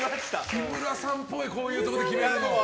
木村さんっぽいこういうところで決めるの。